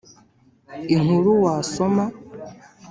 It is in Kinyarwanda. Inkuru wasoma